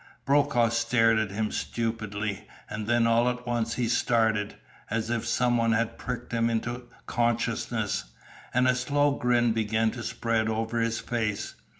Brokaw stared at him stupidly, and then all at once he started, as if some one had pricked him into consciousness, and a slow grin began to spread over his face.